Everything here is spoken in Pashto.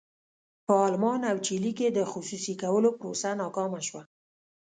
په المان او چیلي کې د خصوصي کولو پروسه ناکامه شوه.